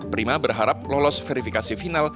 prima berharap lolos verifikasi final